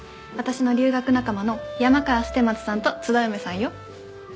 私の留学仲間の山川捨松さんと津田梅さんよ。